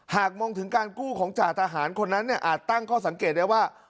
หากมองถึงการกู้ของจ่าทหารคนนั้นอาจตั้งข้อสังเกตได้ว่า